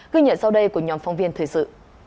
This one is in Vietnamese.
ghi nhận sau đây của nhóm phóng viên thời sự